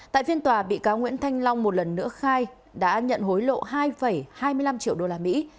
tại phiên tòa bị cáo nguyễn thanh long một lần nữa khai đã nhận hối lộ hai hai mươi năm triệu đô la mỹ